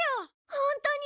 ホントに？